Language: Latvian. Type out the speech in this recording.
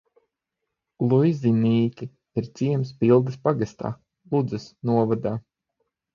Liuzinīki ir ciems Pildas pagastā, Ludzas novadā.